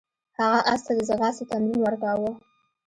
هغه اس ته د ځغاستې تمرین ورکاوه.